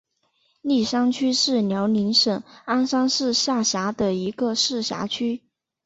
立山区是辽宁省鞍山市下辖的一个市辖区。